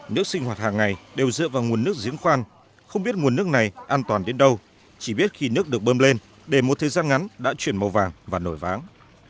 nước sinh hoạt hàng ngày đều dựa vào nguồn nước giếng khoan không biết nguồn nước này an toàn đến đâu chỉ biết khi nước được bơm lên để một thời gian ngắn đã chuyển màu vàng và nổi váng